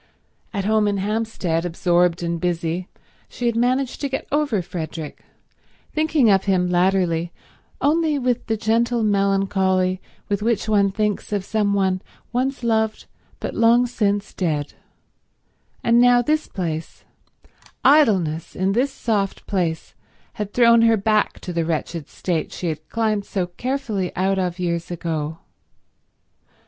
At home in Hampstead, absorbed and busy, she had managed to get over Frederick, thinking of him latterly only with the gentle melancholy with which one thinks of some one once loved but long since dead; and now this place, idleness in this soft place, had thrown her back to the wretched state she had climbed so carefully out of years ago.